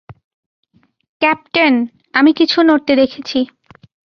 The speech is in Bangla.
ক্যাপ্টেন, আমি কিছু নড়তে দেখেছি।